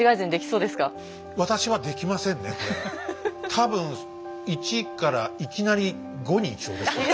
多分一からいきなり五にいきそうです。